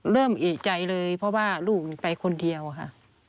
เริ่มเอกใจเลยเพราะว่าลูกไปคนเดียวค่ะ